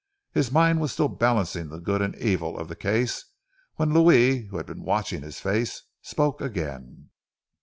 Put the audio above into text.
His mind was still balancing the good and evil of the case, when Louis, who had been watching his face, spoke again.